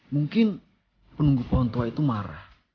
mungkin penunggu pohon tua itu marah